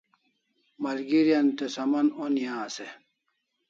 Malgeri an te saman oni as e?